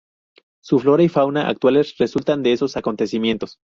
Su flora y fauna actuales resultan de esos acontecimientos.